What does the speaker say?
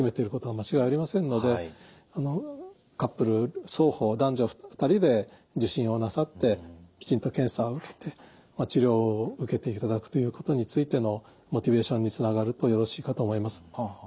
カップル双方男女２人で受診をなさってきちんと検査を受けて治療を受けていただくということについてのモチベーションにつながるとよろしいかと思います。